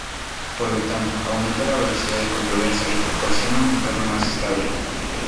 Por lo tanto, aumenta la velocidad de convergencia y proporciona un entorno más estable.